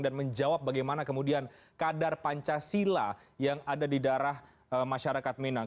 dan menjawab bagaimana kemudian kadar pancasila yang ada di darah masyarakat minang